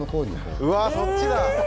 うわそっちだ！